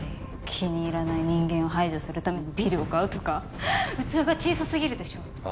気に入らない人間を排除するためにビルを買うとか器が小さすぎるでしょ。